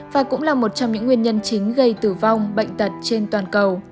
và cũng là một trong những nguyên nhân chính gây tử vong bệnh tật trên toàn cầu